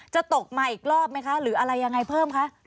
จะตกมาอีกรอบไหมคะหรืออะไรยังไงเพิ่มคะ